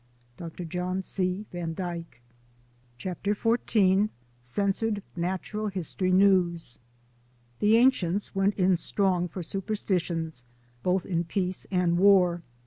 — Dr. John C. Van Dyke. CHAPTER XIV CENSORED NATURAL HISTORY NEWS THE Ancients went in strong for superstitions both in peace and war.